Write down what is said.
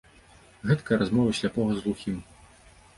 Гэткая размова сляпога з глухім.